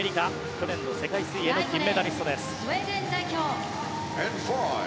去年の世界水泳の金メダリストです。